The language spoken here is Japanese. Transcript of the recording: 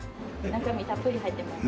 中身たっぷり入ってます。